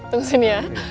tunggu sini ya